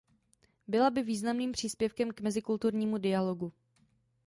Byla by významným příspěvkem k mezikulturnímu dialogu.